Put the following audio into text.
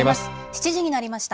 ７時になりました。